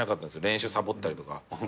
練習サボったりとか。